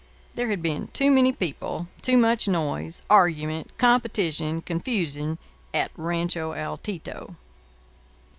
There had been too many people, too much noise, argument, competition, confusion, at Rancho Altito.